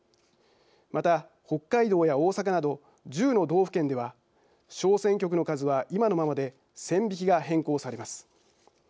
また北海道や大阪など１０の道府県では小選挙区の数は今のままで線引きが変更されます。